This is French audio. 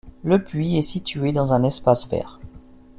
Le puits est situé dans un espace vert.